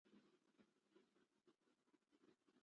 احمد مرکې ته مه لېږئ؛ هغه بې خولې او بې ژبې سړی دی.